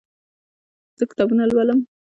زه کتابونه لولم